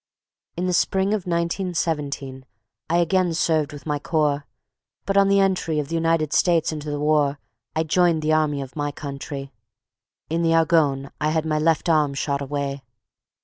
In the spring of 1917 I again served with my Corps; but on the entry of the United States into the War I joined the army of my country. In the Argonne I had my left arm shot away.